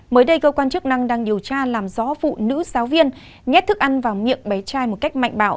mới đây cơ quan chức năng đang điều tra làm rõ phụ nữ giáo viên nhét thức ăn vào miệng bé trai một cách mạnh bạo